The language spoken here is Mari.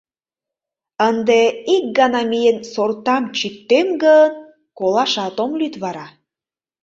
Ынде, ик гана миен, сортам чӱктем гын, колашат ом лӱд вара.